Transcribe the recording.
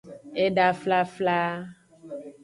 Eda flfla.